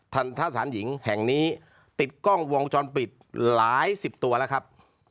ท่าสารหญิงแห่งนี้ติดกล้องวงจรปิดหลายสิบตัวแล้วครับ